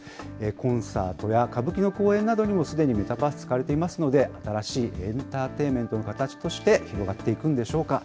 コンサートや歌舞伎の公演などにも、すでにメタバース使われていますので、新しいエンターテインメントの形として広がっていくん